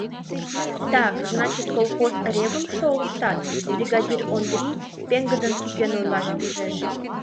— Так, значит, колхоз ревым шолыштат? — бригадир Ондрий пеҥгыдын тӱкен ойлаш пижеш.